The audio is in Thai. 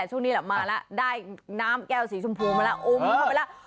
ช่วงนี้แหละมาแล้วได้น้ำแก้วสีชมพูมาแล้วอมเข้าไปแล้ว